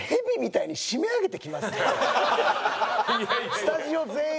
スタジオ全員で。